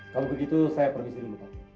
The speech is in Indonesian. kalau begitu saya pergi sini